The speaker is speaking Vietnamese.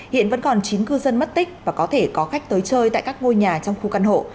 hiện vẫn còn chín cư dân mất tích và có thể có khách tới chơi tại các ngôi nhà trong khu căn hộ